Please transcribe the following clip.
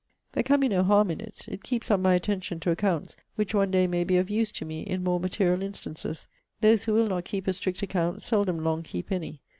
There can be no harm in it. It keeps up my attention to accounts; which one day may be of use to me in more material instances. Those who will not keep a strict account, seldom long keep any.